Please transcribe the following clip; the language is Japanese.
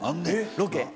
ロケ？